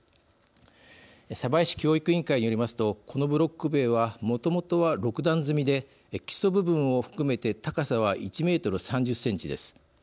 江市教育委員会によりますとこのブロック塀はもともとは６段積みで基礎部分を含めて高さは１メートル３０センチです。